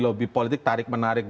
sumpai hal yang terbaik